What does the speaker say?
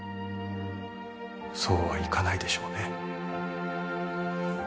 そうはいかないでしょうね